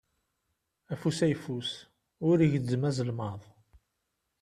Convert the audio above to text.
Afus ayeffus ur igezzem azelmaḍ.